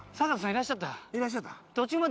いらっしゃった？